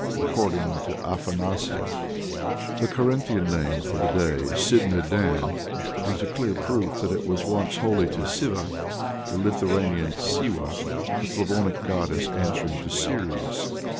According to Afanasief, the Carinthian name for the day, Sibne dan, is a clear proof that it was once holy to Siva, the Lithuanian Seewa, the Slavonic goddess answering to Ceres.